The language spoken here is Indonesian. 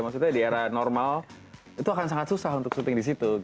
maksudnya di era normal itu akan sangat susah untuk syuting di situ